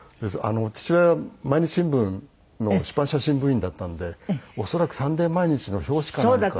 父親毎日新聞の出版写真部員だったんで恐らく『サンデー毎日』の表紙かなんか。